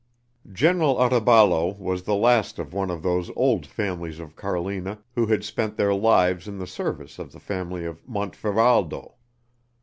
General Otaballo was the last of one of those old families of Carlina who had spent their lives in the service of the family of Montferaldo.